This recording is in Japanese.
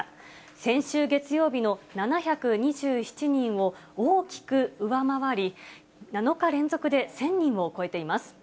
先週月曜日の７２７人を大きく上回り、７日連続で１０００人を超えています。